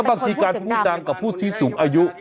บางทีการพูดดังกับผู้ที่สูงอายุ